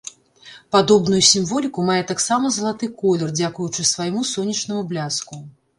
Падобную сімволіку мае таксама залаты колер, дзякуючы свайму сонечнаму бляску.